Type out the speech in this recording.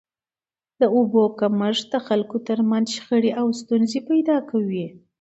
د اوبو کمښت د خلکو تر منځ شخړي او ستونزي پیدا کوي.